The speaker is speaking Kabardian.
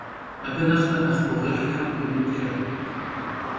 Abı nexhre nexh guğuêh them khıuimıtç'e!